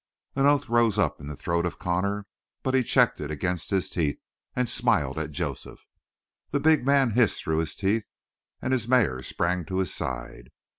An oath rose up in the throat of Connor, but he checked it against his teeth and smiled at Joseph. The big man hissed through his teeth and his mare sprang to his side.